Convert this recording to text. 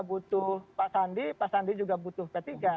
butuh pak sandi pak sandi juga butuh p tiga